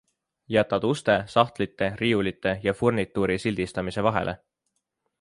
Jätad uste, sahtlite, riiulite ja furnituuri sildistamise vahele.